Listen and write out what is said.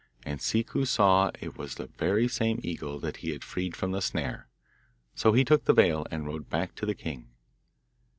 And Ciccu saw it was the very same eagle that he had freed from the snare. So he took the veil and rode back to the king.